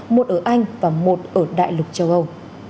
một ở anh và một ở đại lục châu âu